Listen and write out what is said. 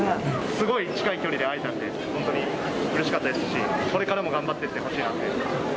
すごい近い距離で会えたんで、本当にうれしかったですし、これからも頑張ってってほしいなって。